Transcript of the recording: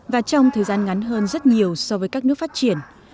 và trong thời gian ngắn hơn rất nhiều so với các nước phát triển